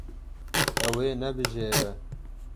Ew ê nebijêre.